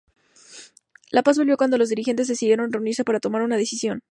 La paz volvió cuando los dirigentes decidieron reunirse para tomar una decisión.